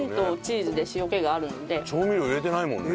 調味料入れてないもんね。